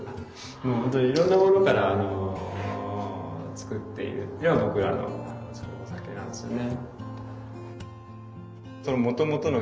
もう本当にいろんなものからつくっているっていうのが僕らのつくるお酒なんですよね。